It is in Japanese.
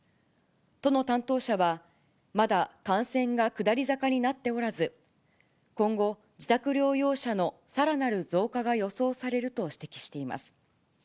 都の担当者はまだ感染が下り坂になっておらず、今後、自宅療養者のさらなる増加が予想されると指摘しています。